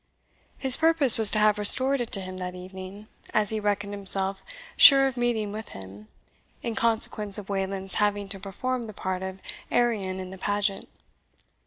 His purpose was to have restored it to him that evening, as he reckoned himself sure of meeting with him, in consequence of Wayland's having to perform the part of Arion in the pageant.